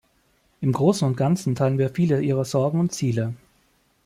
Im Großen und Ganzen teilen wir viele Ihrer Sorgen und Ziele.